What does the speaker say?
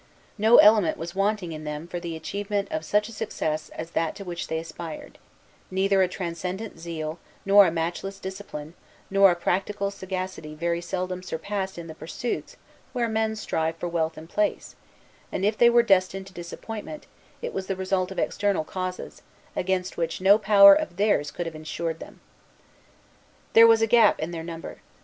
No element was wanting in them for the achievement of such a success as that to which they aspired, neither a transcendent zeal, nor a matchless discipline, nor a practical sagacity very seldom surpassed in the pursuits where men strive for wealth and place; and if they were destined to disappointment, it was the result of external causes, against which no power of theirs could have insured them. There was a gap in their number.